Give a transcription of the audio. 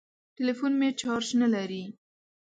ټليفون مې چارچ نه لري.